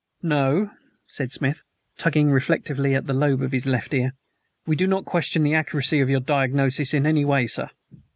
"No," said Smith, tugging reflectively at the lobe of his left ear. "We do not question the accuracy of your diagnosis in any way, sir."